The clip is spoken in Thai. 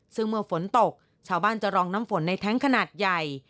ซึ่งเมื่อฝนตกชาวบ้านจะรองน้ำฝนในแท้งขนาดใหญ่